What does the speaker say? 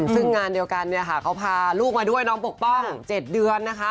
ซึ่งงานเดียวกันเนี่ยค่ะเขาพาลูกมาด้วยน้องปกป้อง๗เดือนนะคะ